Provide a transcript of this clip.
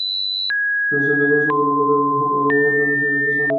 নাসিরনগরের সংখ্যালঘুদের ওপর হামলার ঘটনায় হেফাজতে ইসলাম বিবৃতি দিয়ে প্রতিবাদ জানিয়েছে।